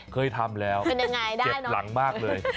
เคยทำแล้วเจ็บหลังมากเลย